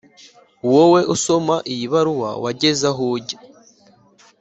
wowe usoma iyi baruwa wageze aho ujya,